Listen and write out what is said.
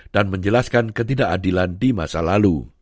dan menjelaskan ketidakadilan di masa lalu